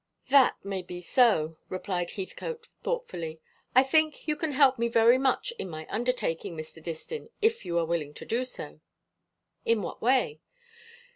"That may be so," replied Heathcote thoughtfully. "I think you can help me very much in my undertaking, Mr. Distin, if you are willing to do so." "In what way?"